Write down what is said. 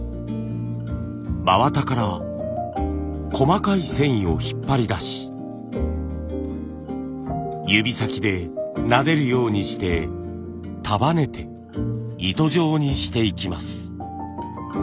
真綿から細かい繊維を引っ張り出し指先でなでるようにして束ねて糸状にしていきます。